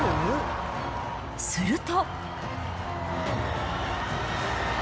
すると。